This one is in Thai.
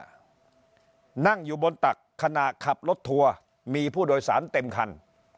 นั่งอยู่บนตักขณะขับรถทัวร์มีผู้โดยสารเต็มคัน